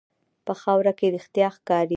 په خاوره کې رښتیا ښکاري.